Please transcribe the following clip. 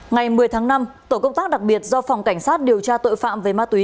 ngày một mươi tháng năm tổ công tác đặc biệt do phòng cảnh sát điều tra tội phạm về ma túy